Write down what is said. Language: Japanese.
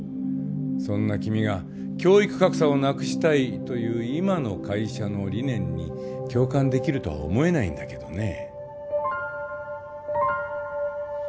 そんな君が教育格差をなくしたいという今の会社の理念に共感できるとは思えないんだけどね